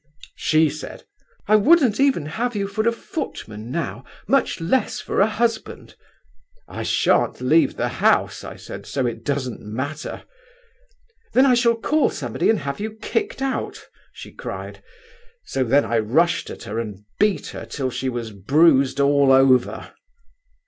"She said, 'I wouldn't even have you for a footman now, much less for a husband.' 'I shan't leave the house,' I said, 'so it doesn't matter.' 'Then I shall call somebody and have you kicked out,' she cried. So then I rushed at her, and beat her till she was bruised all over."